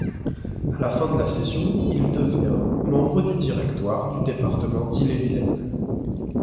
À la fin de la session, il devient membre du directoire du département d'Ille-et-Vilaine.